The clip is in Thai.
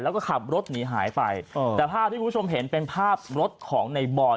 แล้วก็ขับรถหนีหายไปเออแต่ภาพที่คุณผู้ชมเห็นเป็นภาพรถของในบอย